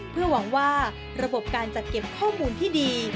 เพื่อหวังว่าระบบการจัดเก็บข้อมูลที่ดี